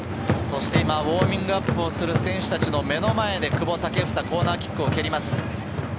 そして今、ウオーミングアップをする選手たちの目の前で久保建英、コーナーキックを蹴ります。